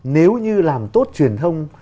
nếu như làm tốt truyền thông